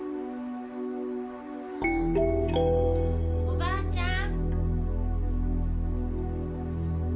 おばあちゃん！